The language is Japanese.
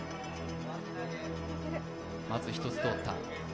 まず１つ通った。